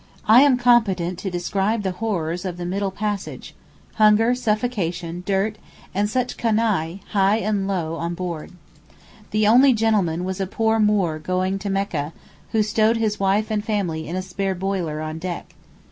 I am competent to describe the horrors of the middle passage—hunger, suffocation, dirt, and such canaille, high and low, on board. The only gentleman was a poor Moor going to Mecca (who stowed his wife and family in a spare boiler on deck).